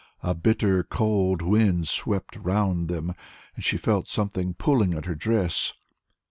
A bitter cold wind swept round them, and she felt something pulling at her dress.